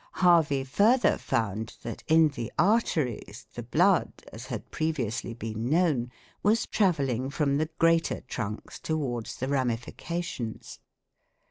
Harvey further found that, in the arteries, the blood, as had previously been known, was travelling from the greater trunks towards the ramifications.